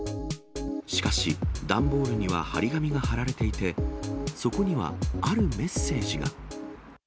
しかし、段ボールには貼り紙が貼られていて、そこにはあるメッセージが。